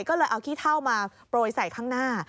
ก็เลยเอาขี้เท่ามาโปรยใส่ข้างหน้า